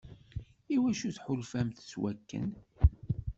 Iwacu tḥulfamt s wakken?